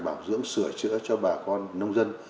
bảo dưỡng sửa chữa cho bà con nông dân